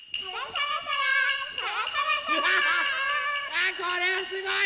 あっこれはすごい！